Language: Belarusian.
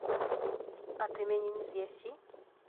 А ты мяне не з'ясі?